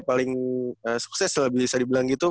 paling sukses lah bisa dibilang gitu